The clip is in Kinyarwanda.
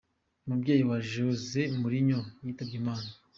Umubyeyi wa Jose Mourinho yitabye Imana.